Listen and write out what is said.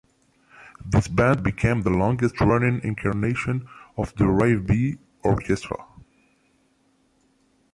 This band became the longest-running incarnation of the RivBea Orchestra.